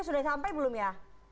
sudah sampai belum ya